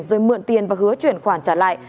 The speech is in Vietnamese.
rồi mượn tiền và hứa chuyển khoản trả lại